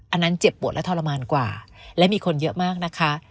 อันนั้นเจ็บปวดและทรมานกว่าและมีคนเยอะมากนะคะ